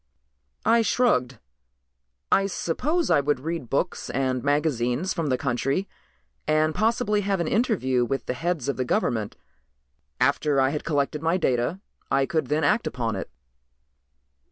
I shrugged. "I suppose I would read books and magazines from the country and possibly have an interview with the heads of the government. After I had collected my data I could then act upon it."